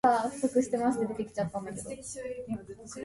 Soon after her birth, the family moved to Greenwich, Connecticut.